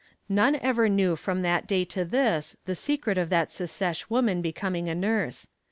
None ever knew from that day to this the secret of that secesh woman becoming a nurse.